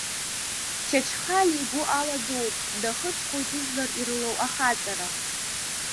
Чачхалиа игәы аладууп, дахыҽхәоит ижәлар ирылоу ахаҵара.